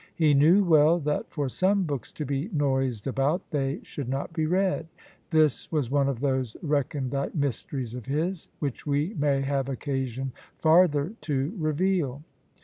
He knew well, that for some books to be noised about, they should not be read: this was one of those recondite mysteries of his, which we may have occasion farther to reveal.